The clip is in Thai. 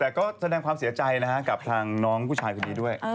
แต่ก็แสดงความเสียใจนะฮะกับทางน้องผู้ชายคนนี้ด้วย